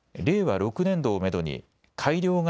６年度をめどに改良型